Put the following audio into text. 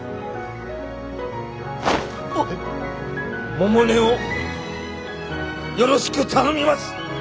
百音をよろしく頼みます。